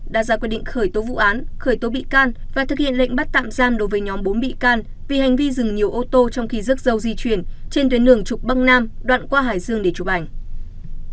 đã ra quyết định khởi tố vụ án khởi tố bị can và thực hiện lệnh bắt tạm giam đối với nhóm bốn bị can vì hành vi dừng nhiều ô tô trong khi rước dâu di chuyển trên tuyến đường trục băng nam đoạn qua hải dương để chụp ảnh